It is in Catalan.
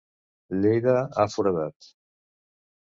Lleida ha foradat.